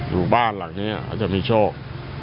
อยู่บ้านหลังนี้เขาจะมีโชค